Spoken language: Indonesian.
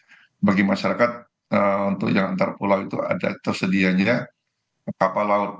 nah itu sudah diberikan lah bagi masyarakat untuk yang antar pulau itu ada tersedia nya ya kapal laut